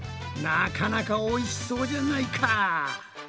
なかなかおいしそうじゃないかぁ。